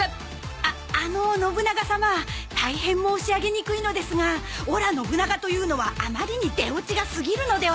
あっあの信長様大変申し上げにくいのですが「オラ信長」というのはあまりに出オチがすぎるのでは？